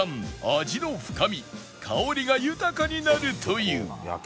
味の深み香りが豊かになるという